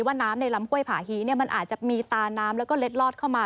น้ำในลำห้วยผาฮีมันอาจจะมีตาน้ำแล้วก็เล็ดลอดเข้ามา